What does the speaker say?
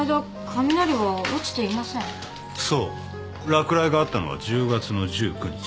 落雷があったのは１０月の１９日。